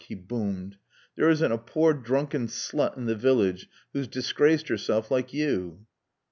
He boomed. "There isn't a poor drunken slut in the village who's disgraced herself like you."